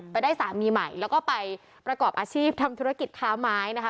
ได้สามีใหม่แล้วก็ไปประกอบอาชีพทำธุรกิจค้าไม้นะคะ